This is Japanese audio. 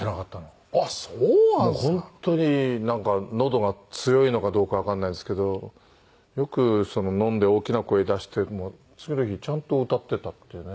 もう本当になんかのどが強いのかどうかわかんないですけどよく飲んで大きな声出しても次の日ちゃんと歌ってたっていうね。